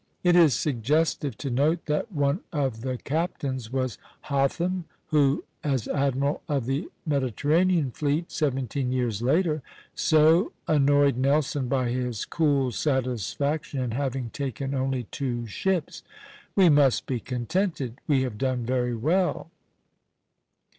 It is suggestive to note that one of the captains was Hotham, who as admiral of the Mediterranean fleet, seventeen years later, so annoyed Nelson by his cool satisfaction in having taken only two ships: "We must be contented; we have done very well."